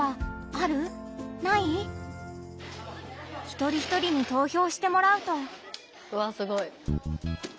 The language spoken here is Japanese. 一人一人に投票してもらうと。わすごい。